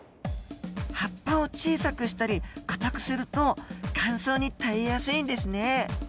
葉っぱを小さくしたり硬くすると乾燥に耐えやすいんですね。